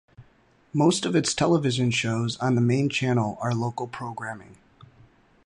Most of its television shows on the main channel are local programming.